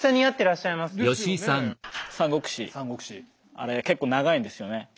あれ結構長いんですよね。